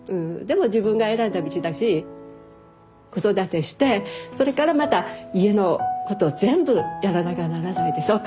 でも自分が選んだ道だし子育てしてそれからまた家のことを全部やらなきゃならないでしょう。